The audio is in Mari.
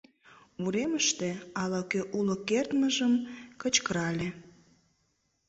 Уремыште ала-кӧ уло кертмыжым кычкырале: